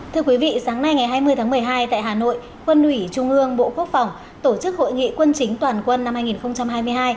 thưa quý vị sáng nay ngày hai mươi tháng một mươi hai tại hà nội quân ủy trung ương bộ quốc phòng tổ chức hội nghị quân chính toàn quân năm hai nghìn hai mươi hai